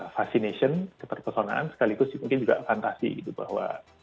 fascination keterpesonaan sekaligus mungkin juga fantasi bahwa